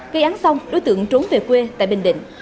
gây án xong đối tượng trốn về quê tại bình định